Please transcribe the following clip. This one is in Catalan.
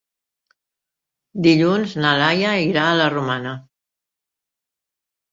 Dilluns na Laia irà a la Romana.